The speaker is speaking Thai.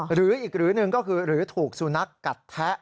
หรืออีกหรือหนึ่งก็คือหรือถูกสุนัขกัดแทะ